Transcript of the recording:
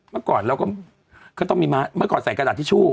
เมื่อก่อนเราก็ต้องมีม้าเมื่อก่อนใส่กระดาษทิชชู่